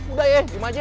udah ya gimana aja ya